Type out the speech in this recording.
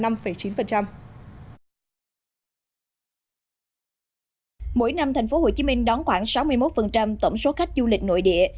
mỗi năm thành phố hồ chí minh đón khoảng sáu mươi một tổng số khách du lịch nội địa